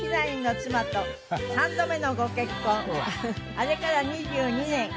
あれから２２年。